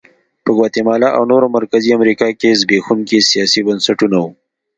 په ګواتیلا او نورو مرکزي امریکا کې زبېښونکي سیاسي بنسټونه وو.